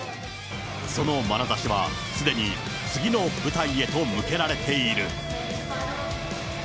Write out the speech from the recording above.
そのまなざしは、すでに次の舞台へと向けられている。